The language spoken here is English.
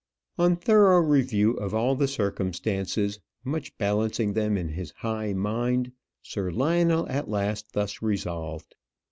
On thorough review of all the circumstances, much balancing them in his high mind, Sir Lionel at last thus resolved.